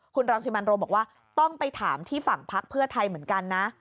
คุณรังสิมันโรมบอกว่าต้องไปถามที่ฝั่งพักเพื่อไทยเหมือนกันนะ